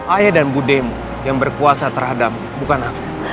ayah dan buddha mu yang berkuasa terhadap bukan aku